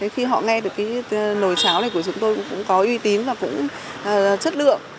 khi họ nghe được cái nồi cháo này của chúng tôi cũng có uy tín và cũng chất lượng